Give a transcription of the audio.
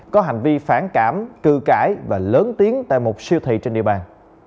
có hành vi phản cảm cư cãi và lớn tiếng tại một siêu thị trên địa bàn